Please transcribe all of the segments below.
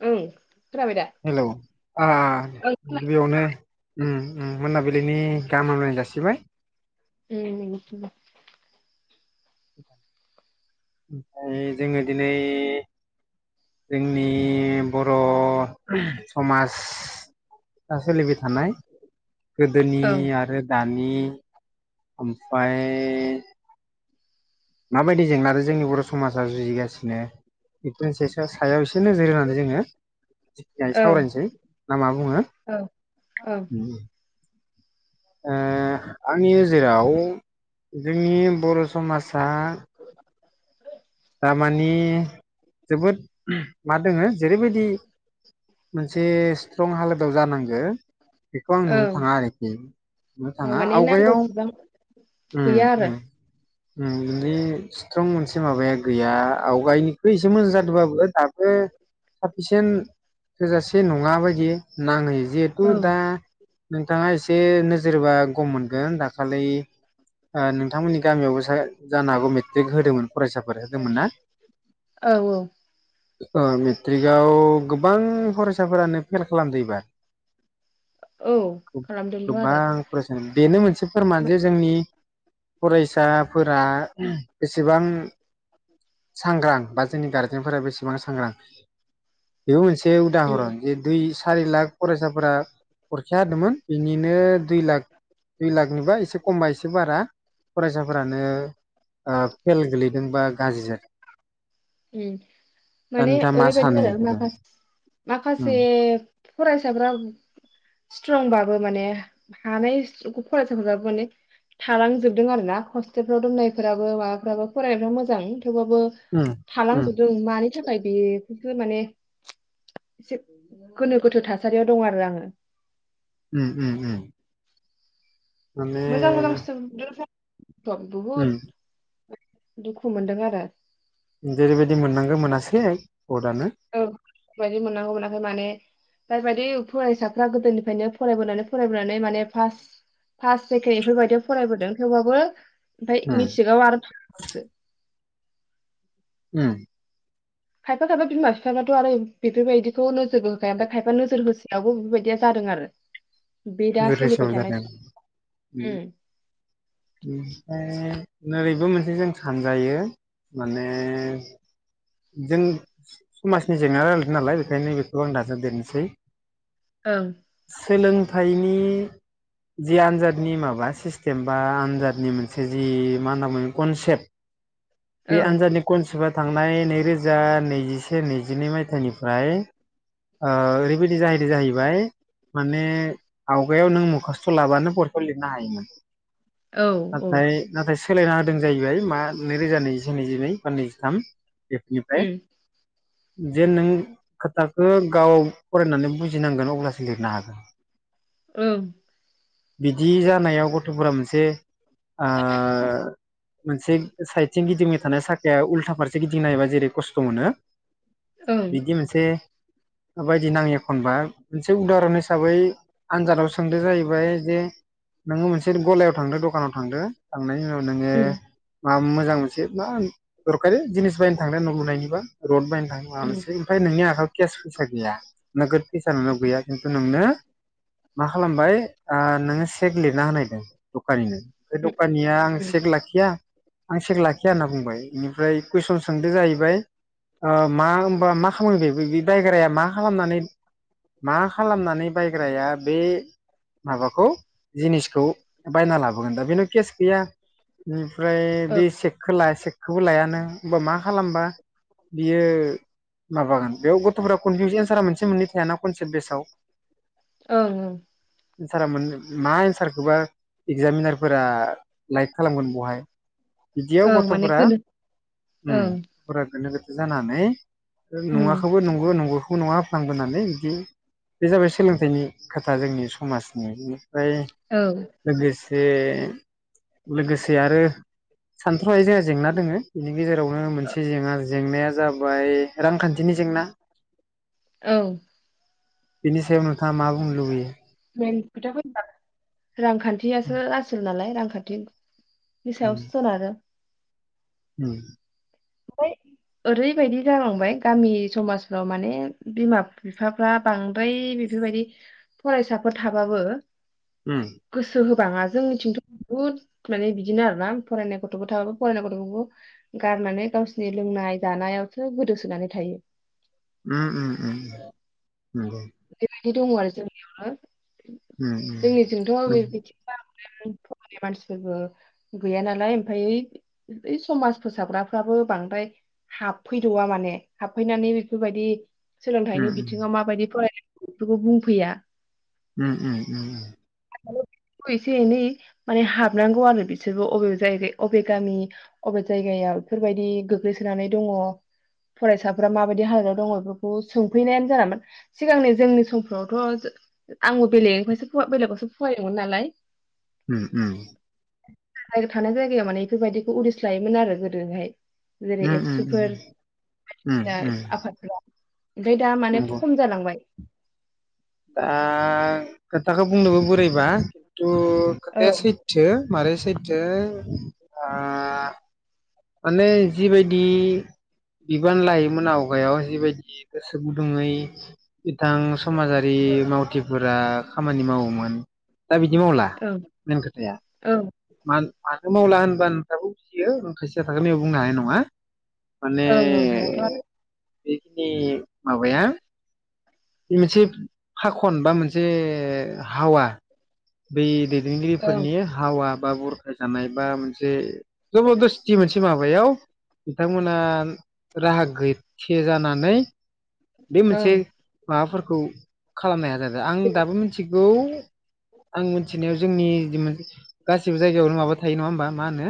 औ हेलौ ओ ओं गिबियावनो मोनाबिलिनि गाहाम हामलायनाय जासिबाय [unintelligible] ओमफ्राय जोङो दिनै जोंनि बर' समाज दा सोलिबाय थानाय गोदोनि ओं आरो दानि ओमफ्राय माबायदि जेंना जोंनि बर' समाजा जुजिगासिनो बेखौसे सायाव एसे नोजोर होनानै जोङोखिय ओं सावरायनोसै ना मा बुङो ओं ओं आंनि नोजोराव जोंनि बर' समाज दा दारमानि जोबोद मा दङो जेरैबायदि मोनसे स्ट्रं हालोदाव जानांगो बेखौ आं नुनो ओं थाङा आरोखि नुनो ओ थाङा माने आवगायाव नांगौसेबां गैया आरो [unintelligible] स्ट्रं मोनसे माबाया गैया आवगायनिखौ एसे मोजां जादोंबाबो दाबो साफिसियन थोजासे नङा बायदि नाङै जिहेथु ओं दा नोंथाङा एसे नोजोर बा गम मोनगोन दाखालि नोंथांमोननि गामियावबो जानो हागौ मेट्रिक होदोंमोन फरायसा जादोंमोन ना औ औ मेट्रिकआव गोबां फरायसाफोरानो फेल खालामदो एबार औ खालामदोंथ' आरो गोबां फरायसा बेनो मोनसे फोरमान जे जोंनि फरायसाफोरा बेसेबां सांग्रां बा जोंनि गारजेनफोरा बेसेबां सांग्रां बेबो मोनसे बे उम उदाहरन जे दुइ सारि लाख फरायसाफोरा हरखि होदोंमोन बेनिनो दुइ लाख दुइ लाखनिबा एसे खमबा एसे बारा फरायसाफोरानो फेल गोलैदों जोंबां गाज्रि जादों दा माने नोंथाङा मा ओरैबायदि सानो आरो मा बेखौ उम माखासे फरायसाफ्रा स्ट्रंबाबो माने हानाय फरायसाफोराबो माने थालांजोबदों आर ना हस्टेलफ्राव दोननायफ्राबो माबाफ्राबो फरायनायफ्राव मोजां थेवबाबो उम उम थालांजोबदों मानि थाखाय बे बे माने एसे गोनो गोथो थासारियाव दं आरो आङो उम उम उम माने मोजां मोजां सिथु [unintelligible] उम बहुद दुखु मोनदों आरो जेरैबायदि मोननांगो मोनासै भटआनो औ बायादि मोननांगौ मोनाखै माने जायबायदि फरायसाफ्रा गोदोनिफ्रायनो फरायबोनानै फरायबोनानै माने फास फार्स्ट सेकेणड बेफोरबायायदियाव फरायबोदों थेवबाबो ओमफाय उम मिथ्रिकआव आरो थांसो उम खायफा खायफा बिमा बिफाफ्राथ' आरो बेफोरबायदिखौ नोजोरबो होखाया ओमफ्राय खायफा नोजोर होसायावबो बेफोरबायदिया जादों आरो बे दा गोरोसाव सोलिबाय थानाय जादों सम उम ओमफ्राय रैबो मोनसे जों सानजायो माने जों समाजनि जेंना रायलायदों नालाय बेखायनो बेखौ आं दाजाब देरनोसै ओं सोलोंथाइनि जि आन्जादनि माबा सिस्टेम बा आनजादनि मोनसे जि मा होनना मोन कनसेप्ट बे ओं आनजानदनि कनसेबा थांनाय नैरोजा नैजिसे नैजिनै मायथाइनिफ्राय ओ ओरैबायदि जाहैदों जाहैबाय माने आवगायाव नों मखासथ' लाबानो परेखा लिरनो हायोमोन ओं औ नाथाय नाथाय सोलायना होदों जाहैबाय मा नैरोजा नैजिसे नैजिनै बा नैजिथाम बेखनिफ्राय जे नों खोथखो गाव फरायनानै बुजिनांगोन अब्लासो लिरनो हागोन ओं बिदि जानायाव गथ'फोरा मोनसे आ मोनसे साइदथिजों गिदिंबाय थानाय साखाया उल्था फारसे गिदिंनो हायोबा जेरै खस्थ' मोनो ओं बिदि मोनसे बे बायदि नाङो एखनबा मोनसे उदाहरन हिसाबै आनजादाव सोंदो जाहैबाय जे नोङो मोनसे गलायाव थांदो दखानाव थांदो थांनाय उनाव नोङो ओं आं मोजां मोनसे मा दरखारि जिनिस बायनो थांनाय न' लुनायनिबा रद बायनो थाङो माबा ओं मोनसै ओमफ्राय नोंनि आखाया केस फैसा गैया नोगोद इसानावल' गैया खिन्थु नोंनो मा खालामबाय ओ नोङो सेक लिरना होनायदों दख दखानिनो बे उम दखानिया आं उम सेक लाखिया आं चेक लाखिया होनना बुंबाय बेनिफ्राय कुइसन सोंदो जाहैबाय मा होनोमबा मा खालामामानिबाय बे बायग्राया मा खालामनानै मा खालामनानै बायग्राया बे माबाखौ जिनिसखौ बायना लाबोगोन दा बेनाव केस गैया बेनिफ्राय औ बे सेगखौलाय सेग बेखौबो लाया नों होमबा मा खालामबा बियो माबागोन बेयाव गथ'फोरा कनफिउस एनसारा मोनसे मोननै थायाना कनसेप्ट पेसाव ओं ओं एन्सारा मोन मा एन्सारखौबा एगजामिनारफोरा लाइक खालामगोन बहाय बिदियाव ओं माने गथ'फोरा गोनो उ ओं गथ'फोरा गोनो गोथो जानानै उम नुङाखौबो नंगौ नंगौ नङा होफ्लांबोनानै बिदि बे जाबाय सोलोंथाइनि खोथा जोंनि समाजनि फ्राय औ लोगो से लोगोसे आरो सानथ्र'हायै जोंहा जेंना दोङो बेनि गेजेरावनो मोनसे जेंना जेंनाया जाबाय रांखानथिनि जेंना औ बिनिसायाव नोथाङा मा बुंनो लुबैयो [unintelligible] रांखानथियासो आसोल नालाय रांखानथि नि सायावसो उम सोनारो उम ओमफ्राय ओरैबायदि जालांबाय गामि समाजफ्राव माने बिमा बिफाफ्रा बांद्राय बेफोरबायदि फरायसाफोर थाबाबो उम बाङा जोंथिंथ' बहुद माने बिदिनो आरोना फरायनाय गथ'बो थाबाबो फरायनाय गथ'खौबो गारनानै गावसोरनि लोंनाय जानायावसो गोदोसोनानै थायो उम उम उम नंगौ बिदि दङो आरो जोंनियावनो उम उम जोंनिजोंथ' उम बे बिदि बां द्राय फरायनाय मानसिफोरबो गैया नालाय ओमफाय समाज फोसाबग्राफ्राबो बांद्राय हाबफैथवा माने हाबफैनानै बेफोरबायदि सोलोंथाइनि बिथिङाव माबायदि फराय बेफोरखौ बुंफैया उम उम उम एसे एनै माने हाबनांगौ आरो बिसोरबो बबे जायगा अबे गामि अबे जायगायाव बेफोरबायदि गोग्लैसोनानै दङ फरायसाफ्रा माबायदि हालोदाव दङ बेफोरखौ सोंफैनायानो जाला माने सिगांनि जोंनि समफ्रावथ' आंबो बेलेगनिफ्रायसो बेलेगावसो फरायोमोन नालाय उम उम थानाय जायगायाव माने बेफोरबायदिखौ उदिस लायोमोन आरो गोदोहाय जेरै उम एबसुफोर उम बायदिनो उम आफादफोरा ओमफ्राय दा माने नंगौ खम जालाङो बाय दा खोथाखौ बुंनोबो बोरैबा औ खोथाया सैथो मार सैथो आ माने जिबायदि बिबान लायोमोन आवगायाव जिबायदि गोसो गुदुङै बिथां समाजारि मावथिफोरा खामानि मावोमोन दा बिदि मावला ओं मेन खोथाया ओं मावला होनबानो नोंथाङाबो बुजियो। खायसेया खोथाखौ नैयाव बुंनो हानाय नङा। माने ओं ओं हायाथ' आरो बेखिनि माबाया बे मोनसे फाखन बा मोनसे हावा बै ओं लोगिरिफोरनि हावा बा बुरखाय जानाय बा मोनसे जबरदस्थि मोनसे माबायाव बिथांमोना राहा गैसेे जानानै बे ओं मोनसे माबाफोर खौ खालामनो हाया जादों। आं दाबो मिथि गौ आं मोनथिनायाव जोंनि गासिबो जायगायावनो माबा थायो नङा होमबा मा होनो।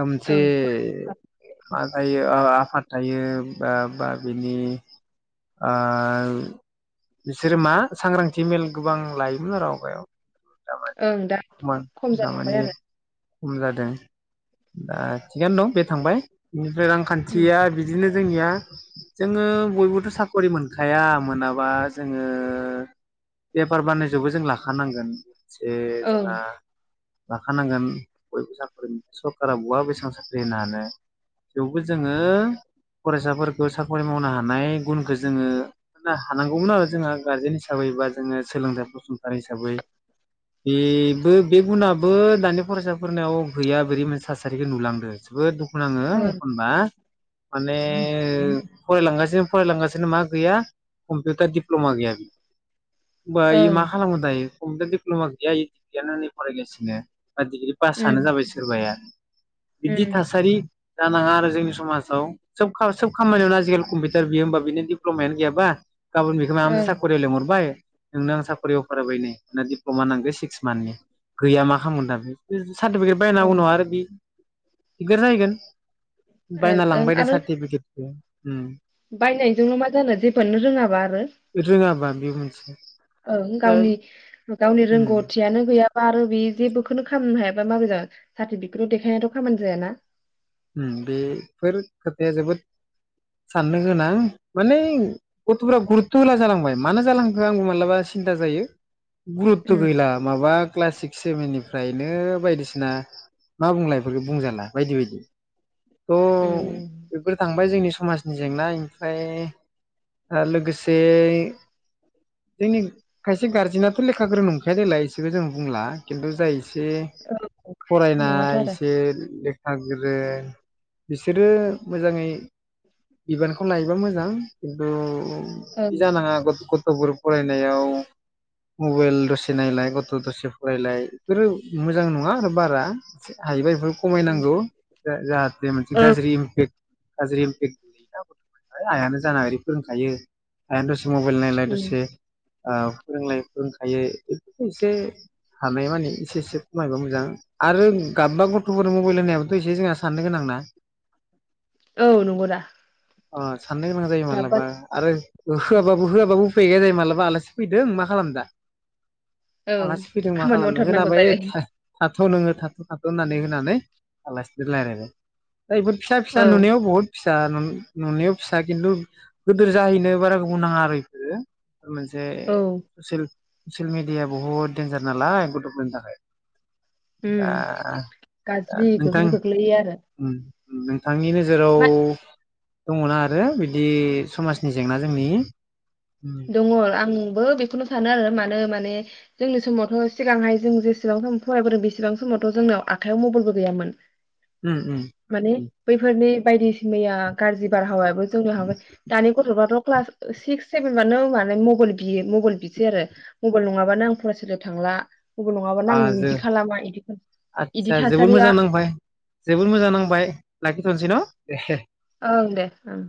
ओ मोनसे ओं फरायसाफ्रा मा जायो। थायो बा बा बिनि ओ बिसोरो मा सांग्रांथि मेल गोबां लायोमोन आरो आवगायाव दामानि ओं दा खमान खम दामानि जालांबायानो खम जादों दा ओ थिगानो दं बे थांबाय उम रांखान्थिया बिदिनो जोंनिया जोङो बयबो थ' साख'रि मोनखाया मोनाबा जोङो बेफार बानिजआवबो जों लाखानांगोन। जे ओं जोंना लाखानांगोन बयबो साख्रि मोन सरकारा बहा बेसेबां साख्रि होनो हानो थेवबो जोङो फरायसाफोरखौ साख्रि मावनो हानाय। गुनखौ जोङो हानांगौमोन आरो जोंहा गारजेन हिसाबै बा जोङो सोलोंथाइ फसंथान हिसाबै बेबो बे गुनाबो दानि फरायसाफोरनाव गैया बोरै मोनसे थासारिखौ नुलांदो जोबोद दुखु नाङो ओं एखनबा माने उम फरायलांगासिनो फरायलांगासिनो मा गैया कम्पिउटार दिप्ल'मा गैया बियो होनबा आं मा खालामगोन दायो? कम्पुतार दिप्लमा गैया [unintelligible] फरायगासिनो बा डिग्रि उम पासानो जाबाय सोरबाया। बिबदि थासारि जानाङा आरो जोंनि समासाव सोब खा सोब खामानियावनो आजिखालि कमपि सोरबियो होमबा बिनि डिप्ल'मायानो गैयाबा गाबोन बेखो माबा मोनसे ओं साख'रिया लेंहरबाय नोंनो आं साख'रि अफार होबाय नै ना दिप्ल'मा नांगो सिक्स मान्थनि गैया मा खालामगोन दा बे ओ सार्टिफिकेट बायना ओं उनाव आरो बि दिगार जाहैगोन। बायना ओं लांबाय दे आरो सार्टिफिकेटखौ हम बायनायजोंल' मा जानो जेबो आनो रोङाबा आरो। बेबो मोनसे। ओं दा गावनि गावनि उम रोंग'थियानो गैया बा आरो बे जेबोखोनो खालामनो हायाबा मागो जागोन सार्टिफिकेटल' देखायनायाथ' खामानि जायाना। उम बेफोर खोथाया जोबोद साननो गोनां माने गथ'फोरा गुरुतथ' होला जालांबाय मानो जालांखो आंबो मालाबा सिन्था जायो। गुरुतथ' उम गैला माबा क्लासिक सेभेन निफ्रायनो बायदिसिना मा बुंलाय बेफोरखौ बुंजाला बायदि बायदि। थ' बेफोर थांबाय जोंनि समाजनि जेंना इमफ्राय आना लोगोसे जोंनि खायसे गारजेनाथ' लेखा गोरों नंखाया देलाय एसेखौ जों बुंला खिन्थु जाय एसे औ नङाथ' फरायनाय आरो एसे लेख हाजिर बे बिसोरो मोजाङै बिबानखौ लायोबा मोजां खिन्थु इ ओं जानाङा गथ-गथ। थ'फोर फरायनायाव मबाइल दसे नायलाय गथ' दसे फरायलाय बेफोरो मोजां नङा आरो बारा हायोबा एफोर खमायनांगौ। जा जाहाथे मोनसे ओं गाज्रि इमफेक्ट गाज्रि इमपेक [inaudible] आइयानो जाना ओरि फोरोंखायो आइ आनो दसे मबाइल नायलाय दसे ओ फोरोंलायो फोरोंखायो इफोरखौ एसे हानाय मानिे एसे एसे खमायबा मोजां आरो गाबबा गथ'फोर मबाइल होनायाबो थ एसे जोंहा साननो गोनां ना। औ नंगौदा। अ साननो गोनां जायो मालाबा आरो ओ होआबाबो होआबाबो उफाय गैया जायो मालाबा आलासि फैदों मा खालाम दा ओं आलासि फैदों मा खामानि खालामनो मावथारनांगौ होनाबै जायो था थाथ' नोङो थाथ' थाथ' दोननानै होनानै आलासिफोर लायरायबाय। दा इफोर फिसा फिसा औ नुनायाव बुहुत फिसा नुन नुनायाव फिसा खिन्थु गोदोर जाहैनो बारा गोबाव नाङा आरो इफोरो मोनसे औ सोल ससियेल मिडिया बुहुत डेन्जार नालाय गथफोरनि थाखाय। दा उम दा गाज्रि नोंथां गोहोम खोख्लैयो आरो उम नोंथांनि नोजोराव मा दङना आरो बिदि समाजनि जेंना जोंनि उम दङ आंबो बेखौनो सानो आरो मानो माने जोंनि समावथ सिगांहाय जों जेसेबां समाव फरायबोदों बेसेबां समावथ' जोंनाव आखाइआव मोबाइलबो गैयामोन। उम उम माने उम बैफोरनि बायदिस मैया गाज्रि बारहावायाबो जोंनाव हाबो। दानि गथ'फोराथ' क्लास ओ सिक्स सेभेनबानो माने मबेल बियो मबेल बिसै आरो मबेल नङाबानो आं फरायसालियाव थांला मबाइल नङाबानो आ आं जो बिदि खालामा इदि इदि आदसा जोबोर मोजां थासारिया नांबाय जोबोर मोजां नांबाय लाखि थ'नसै न' ए हे ओं दे ओं।